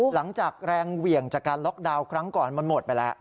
หลังจากแรงเหวี่ยงจากการล็อกดาวน์ครั้งก่อนมันหมดไปแล้ว